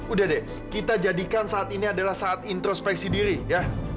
udah deh kita jadikan saat ini adalah saat introspeksi diri ya